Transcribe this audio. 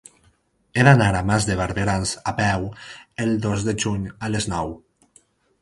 He d'anar a Mas de Barberans a peu el dos de juny a les nou.